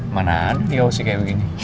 mana ada ya usik kayak begini